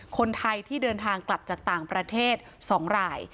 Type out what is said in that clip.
คนไทยที่เดินทางกลับจากต่างประเทศ๒ราย